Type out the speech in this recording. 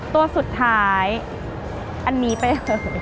ตัวสุดท้ายอันนี้ไปเลย